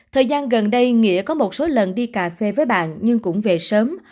thời gian gần đây nghĩa có một số lần đi cà phê với bạn nhưng cũng về sớm